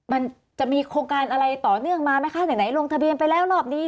มันจะมีโครงการอะไรต่อเนื่องมาไหมคะไหนลงทะเบียนไปแล้วรอบนี้